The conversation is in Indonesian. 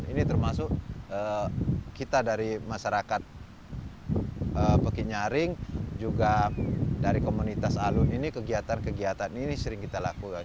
ini termasuk kita dari masyarakat pekinyaring juga dari komunitas alun ini kegiatan kegiatan ini sering kita lakukan